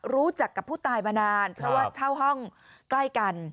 รู้จักกับผู้ตายมานานเพราะว่าเช่าห้องใกล้กัน